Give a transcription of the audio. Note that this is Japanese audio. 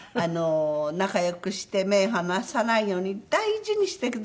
仲良くして目離さないように大事にしてください。